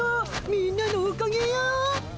みんなのおかげよ。